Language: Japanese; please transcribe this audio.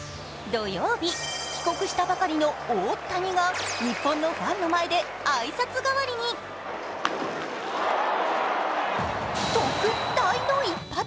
土曜日、帰国したばかりの大谷が日本のファンの前で挨拶代わりに特大の一発。